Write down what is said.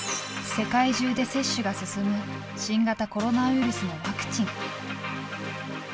世界中で接種が進む新型コロナウイルスのワクチン。